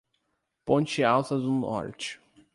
Ponte Alta do Norte